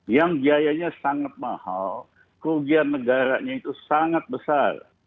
yang biayanya sangat mahal kerugian negaranya itu sangat besar